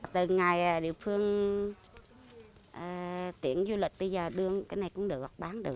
từ ngày địa phương tiện du lịch bây giờ đưa cái này cũng được bán được